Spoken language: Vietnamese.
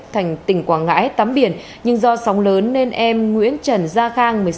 thành tỉnh quảng ngãi tắm biển nhưng do sóng lớn nên em nguyễn trần gia khang